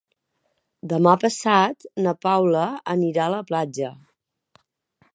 Demà passat na Paula anirà a la platja.